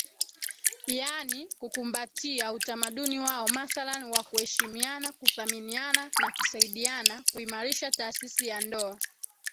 yaani kukumbatia utamaduni wao mathalan wa kuheshimiana kuthaminiana na kusaidiana kuimarisha taasisi ya ndoa